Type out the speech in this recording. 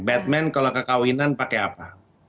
batman kalau kekawinan pakai apa